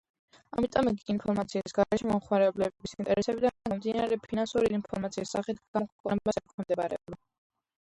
ამიტომ იგი ინფორმაციის გარე მომხმარებლების ინტერესებიდან გამომდინარე, ფინანსური ინფორმაციის სახით გამოქვეყნებას ექვემდებარება.